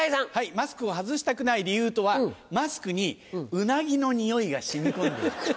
マスクを外したくない理由とはマスクにうなぎの匂いが染み込んでいるから。